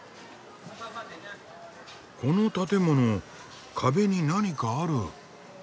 この建物壁に何かある。